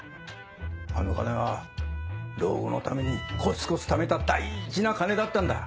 あの金は老後のためにコツコツためた大事な金だったんだ。